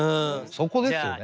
そこですよね。